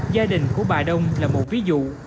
gia đình của bà đông là một ví dụ